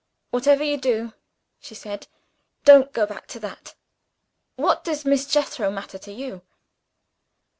"Whatever you do," she said, "don't go back to that! What does Miss Jethro matter to you?"